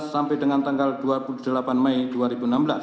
sampai dengan tanggal dua puluh delapan mei dua ribu enam belas